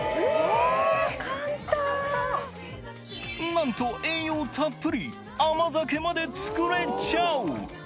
なんと栄養たっぷりまで作れちゃう！